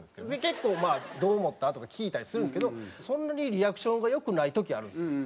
結構まあ「どう思った？」とか聞いたりするんですけどそんなにリアクションが良くない時あるんですよ。